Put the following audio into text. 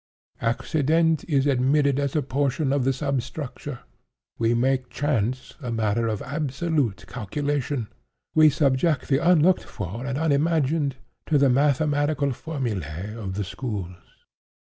Accident is admitted as a portion of the substructure. We make chance a matter of absolute calculation. We subject the unlooked for and unimagined to the mathematical formulae of the schools.